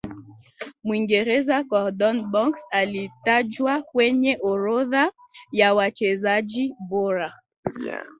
mwingereza gordon Banks alitajwa kwenye orodha ya wachezaji bora